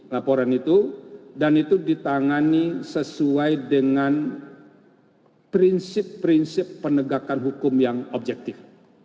laporan itu dan itu ditangani sesuai dengan prinsip prinsip penegakan hukum yang objektif